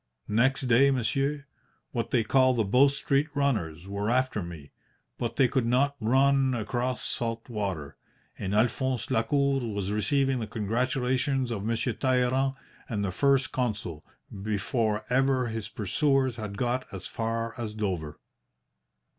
"Next day, monsieur, what they call the Bow Street runners were after me, but they could not run across salt water, and Alphonse Lacour was receiving the congratulations of Monsieur Talleyrand and the First Consul before ever his pursuers had got as far as Dover."